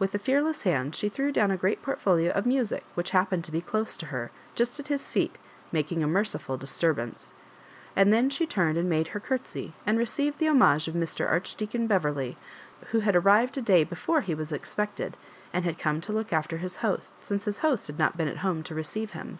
With a fearless hand she threw down a great portfolio of music whidi happened to be dose to her, just at bis feet, making a mer ciful disturbance. And then she turned and made her curtsy^ and received the homage of Mr. Archdeacon Beverley, who had arrived a day be fore he was expected, and had come to look after his host, smce his host had not been at home to receive him.